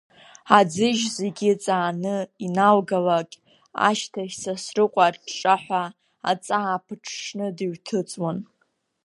Аӡыжь зегьы ҵааны инаалгалакь ашьҭахь Сасрыҟәа аҿҿаҳәа аҵаа ԥыҽҽны дыҩҭыҵуан.